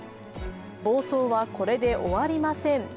暴走はこれで終わりません。